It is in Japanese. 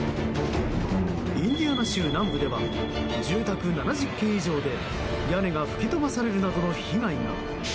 インディアナ州南部では住宅７０軒以上で屋根が吹き飛ばされるなどの被害が。